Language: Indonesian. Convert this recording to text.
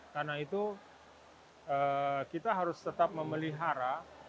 karena itu kita harus tetap memelihara